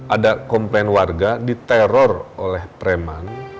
ada komplain warga diteror oleh preman